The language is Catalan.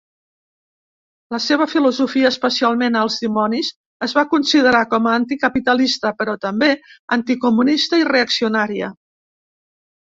La seva filosofia, especialment a "Els dimonis", es va considerar com a anticapitalista, però també anticomunista i reaccionària.